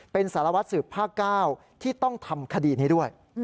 เป็นสารวัตรสืบภาค๙ที่ต้องทำคดีนี้ด้วย